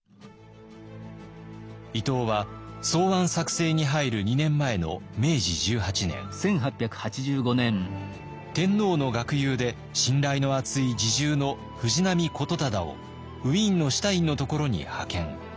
伊藤は草案作成に入る２年前の明治１８年天皇の学友で信頼の厚い侍従の藤波言忠をウィーンのシュタインのところに派遣。